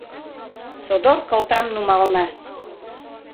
Содор кылтам нумална